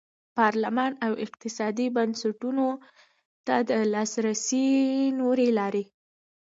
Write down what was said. پارلمان او اقتصادي بنسټونو ته د لاسرسي نورې لارې.